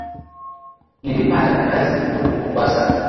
Nilipata kazi huku mombasa